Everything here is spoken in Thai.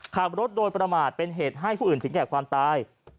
ขับรถโดยประมาทเป็นเหตุให้ผู้อื่นถึงแก่ความตาย